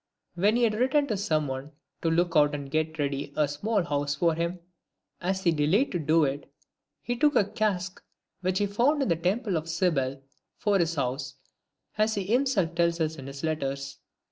When he had written to some one to look out and get ready a small house for him, as he delayed to do it, he took a cask which he found in the Temple of Cybele, for his house, as he himself tells us in his letters.